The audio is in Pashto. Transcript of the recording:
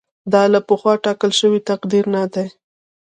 دا له پخوا ټاکل شوی تقدیر نه دی.